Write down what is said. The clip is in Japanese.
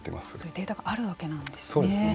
そういうデータがあるわけなんですね。